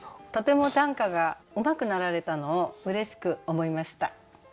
とても短歌がうまくなられたのをうれしく思いました。